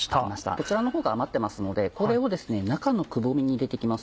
こちらのほうが余ってますのでこれを中のくぼみに入れて行きます。